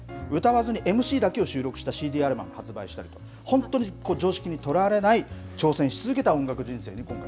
歌わずにＭＣだけを収録したＣＤアルバムを発売したり本当に常識にとらわれない挑戦し続けた音楽人生。